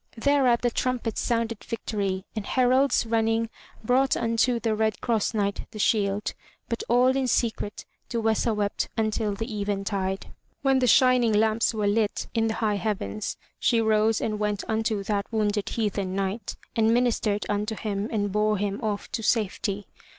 Thereat the trumpets sounded victory, and heralds, running, brought unto the Red Cross Knight the shield. But all in secret, Duessa wept until the eventide. When the shining lamps were lit in the high heavens, she rose and went unto that wounded 28 FROM THE TOWER WINDOW heathen knight, and ministered unto him and bore him off to safety.